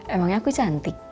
emangnya aku cantik